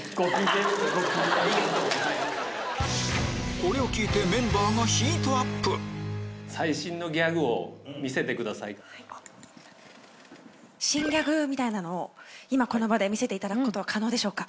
これを聞いて新ギャグを今この場で見せていただくことは可能でしょうか？